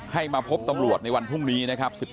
ให้มาพบตำรวจในวันพรุ่งนี้นะครับ